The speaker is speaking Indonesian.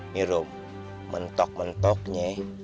nih rom mentok mentoknya